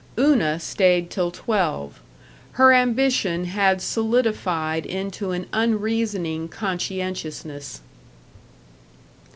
Una stayed till twelve. Her ambition had solidified into an unreasoning conscientiousness.